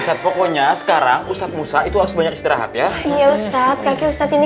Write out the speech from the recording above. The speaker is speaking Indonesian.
set pokoknya sekarang ustadz musa itu harus banyak istirahat ya iya ustadz kaki ustadz ini